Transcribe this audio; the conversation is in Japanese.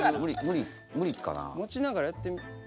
持ちながらやってみて。